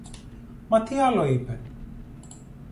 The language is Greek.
Μα τι άλλο είπε;